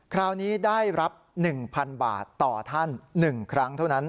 คราวนี้ได้รับ๑๐๐๐บาทต่อท่าน๑ครั้งเท่านั้น